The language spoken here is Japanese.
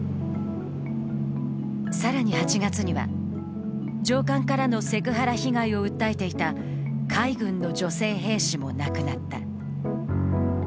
更に８月には、上官からのセクハラ被害を訴えていた海軍の女性兵士も亡くなった。